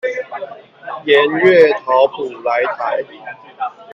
鹽月桃甫來台